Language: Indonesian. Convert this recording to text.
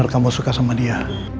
karena kamu suka sama dia